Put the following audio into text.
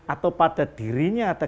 atau pada dirinya ada